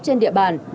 trên địa bàn